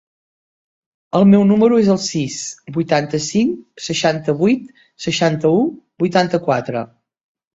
El meu número es el sis, vuitanta-cinc, seixanta-vuit, seixanta-u, vuitanta-quatre.